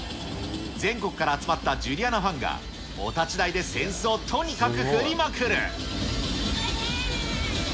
全国から集まったジュリアナファンが、お立ち台でせんすをとにかく振りまくる。